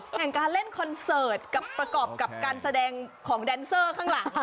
แห่งการเล่นคอนเสิร์ตประกอบกับการแสดงของแดนเซอร์ข้างหลัง